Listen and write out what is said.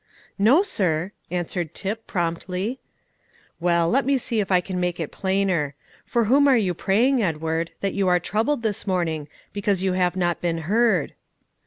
"No, sir," answered Tip promptly. "Well, let me see if I can make it plainer. For whom are you praying, Edward, that you are troubled this morning, because you have not been heard?"